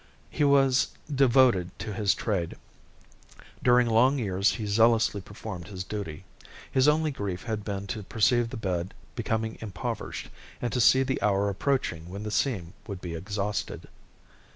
He was devoted to his trade. During long years he zealously performed his duty. His only grief had been to perceive the bed becoming impoverished, and to see the hour approaching when the seam would be exhausted.